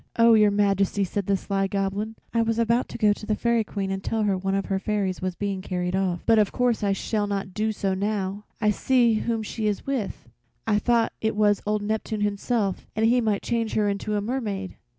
"Oh! Your Majesty," said the sly little Goblin, "I was about to go to the Fairy Queen and tell her one of her fairies was being carried off, but of course I shall not do so now. I see whom she is with. I thought it was old Neptune himself and he might change her into a mermaid."